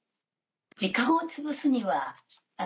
時間をつぶすには。